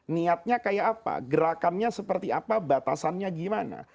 niatnya seperti apa gerakannya seperti apa batasannya bagaimana